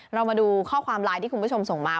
เรามาดูข้อความไลน์ที่คุณผู้ชมส่งมา